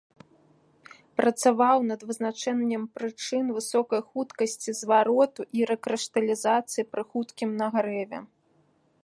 Працаваў над вызначэннем прычын высокай хуткасці звароту і рэкрышталізацыі пры хуткім нагрэве.